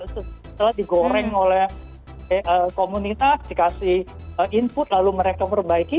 setelah digoreng oleh komunitas dikasih input lalu mereka perbaiki